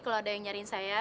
kalau ada yang nyari saya